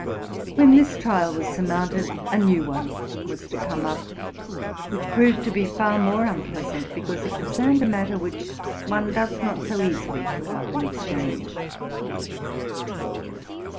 When this trial was surmounted, a new one was to come up, which proved to be far more unpleasant, because it con cerned a matter which one does not so easily put off and exchange.